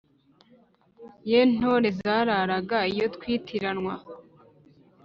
ye ntore zararaga iyo twitiranwa,